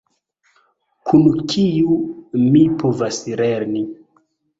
Kun kiu mi povas lerni